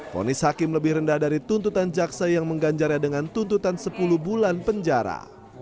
fonis hakim lebih rendah dari tuntutan jaksa yang mengganjarnya dengan tuntutan sepuluh bulan penjara